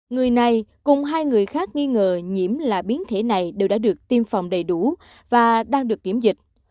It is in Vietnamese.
người này cùng hai người khác nghi ngờ nhiễm là biến thể này đều đã được tiêm phòng đầy đủ và đang được kiểm dịch